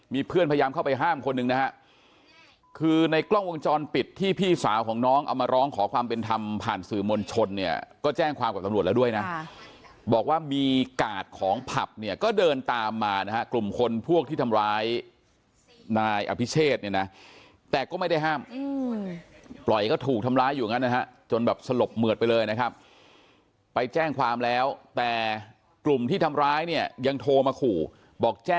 มีเพื่อนพยายามเข้าไปห้ามคนหนึ่งนะฮะคือในกล้องวงจรปิดที่พี่สาวของน้องเอามาร้องขอความเป็นธรรมผ่านสื่อมลชนเนี่ยก็แจ้งความกับตำรวจแล้วด้วยนะบอกว่ามีกาดของผับเนี่ยก็เดินตามมานะฮะกลุ่มคนพวกที่ทำร้ายนายอภิเชษเนี่ยนะแต่ก็ไม่ได้ห้ามปล่อยก็ถูกทำร้ายอยู่อย่างนั้นนะฮะจนแบบสลบเหมือดไปเลยนะ